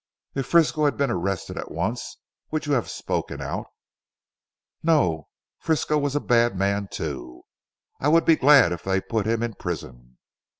"If Frisco had been arrested at once would you have spoken out?" "No. Frisco was a bad man too. I would be glad if they put him in prison."